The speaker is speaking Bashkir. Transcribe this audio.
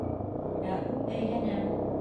Ә ул әйләнәм!